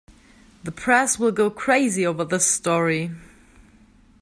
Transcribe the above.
The press will go crazy over this story.